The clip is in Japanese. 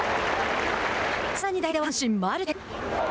さらに代打は阪神マルテ。